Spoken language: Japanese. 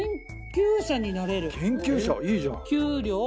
研究者⁉いいじゃん。